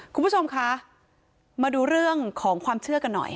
คุณผู้ชมคะมาดูเรื่องของความเชื่อกันหน่อย